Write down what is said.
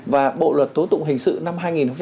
và bộ luật tố tụng hình sự năm hai nghìn một mươi năm